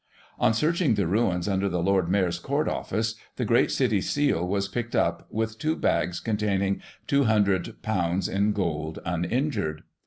"On searching the ruins under the Lord Mayor's Court Office, the great City seal was picked up, with two bags, containing ;^200 in gold, uninjured.